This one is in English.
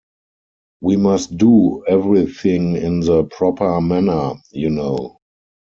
We must do everything in the proper manner, you know.